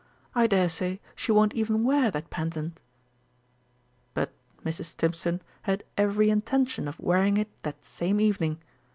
I daresay she won't even wear that pendant." But Mrs. Stimpson had every intention of wearing it that same evening.